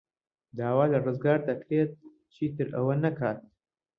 داوا لە ڕزگار دەکرێت چیتر ئەوە نەکات.